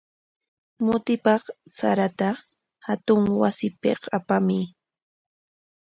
Mutipaq sarata hatun wasipik apamuy.